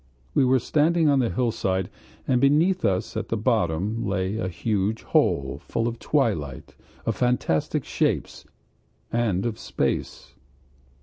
We were standing on the hillside and beneath us at the bottom lay a huge hole full of twilight, of fantastic shapes, and of space.